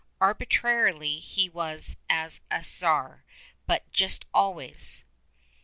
Arbitrary he was as a czar, but just always!